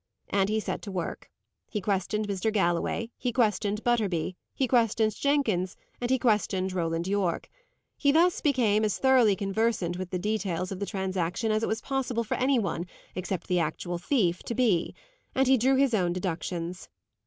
And he set to work. He questioned Mr. Galloway, he questioned Butterby, he questioned Jenkins, and he questioned Roland Yorke. He thus became as thoroughly conversant with the details of the transaction as it was possible for any one, except the actual thief, to be; and he drew his own deductions.